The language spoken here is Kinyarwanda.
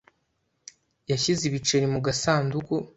Yashyize ibiceri mu gasanduku.